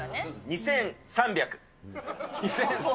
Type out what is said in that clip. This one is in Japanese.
２３００。